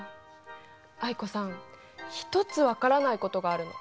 藍子さん１つ分からないことがあるの。